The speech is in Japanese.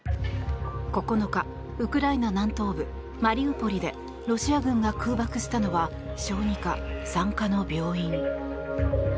９日、ウクライナ南東部マリウポリでロシア軍が空爆したのは小児科、産科の病院。